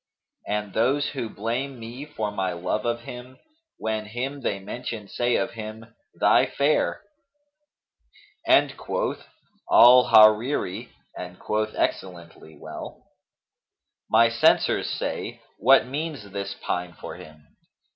And those who blame me for my love of him, * When him they mention say of him, 'Thy Fair'!' And quoth al Hariri[FN#238] and quoth excellently well, 'My censors say, 'What means this pine for him?